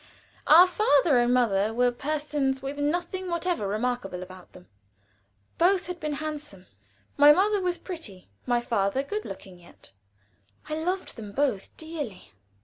Our father and mother were persons with nothing whatever remarkable about them. Both had been handsome. My mother was pretty, my father good looking yet. I loved them both dearly.